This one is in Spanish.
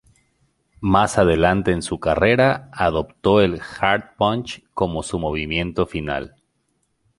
Más adelante en su carrera, adoptó el "Heart punch" como su movimiento final.